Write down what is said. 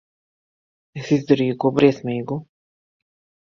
Es izdarīju ko briesmīgu.